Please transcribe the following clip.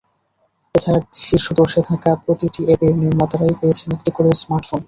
এছাড়া শীর্ষ দশে থাকা প্রতিটি অ্যাপের নির্মাতারাই পেয়েছেন একটি করে স্মার্টফোন।